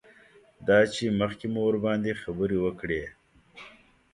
دا چې مخکې مو ورباندې خبرې وکړې.